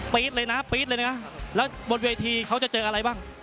เลยนะปี๊ดเลยนะแล้วบนเวทีเขาจะเจออะไรบ้าง